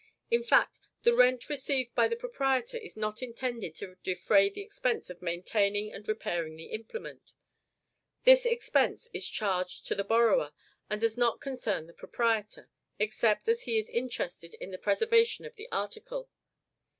In fact, the rent received by the proprietor is not intended to defray the expense of maintaining and repairing the implement; this expense is charged to the borrower, and does not concern the proprietor except as he is interested in the preservation of the article.